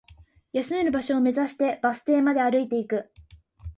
休める場所を目指して、バス停まで歩いていく